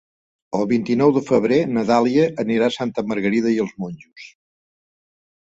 El vint-i-nou de febrer na Dàlia anirà a Santa Margarida i els Monjos.